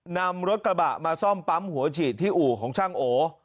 นำรถกระบะมาซ่อมปั๊มหัวฉีดที่อู่ของช่างโอ